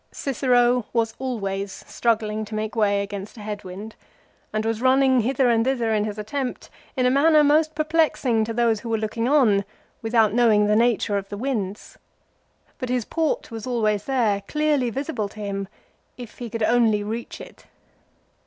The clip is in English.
Cicero was always 1 Ca. xix. 2 Ad Fam. i. 9. 56 LIFE OF CICERO. struggling to make way against a head wind, and was running hither and thither in his attempt, in a manner most per plexing to those who were looking on without knowing the nature of the winds ; but his port was always there, clearly visible to him, if he could only reach it.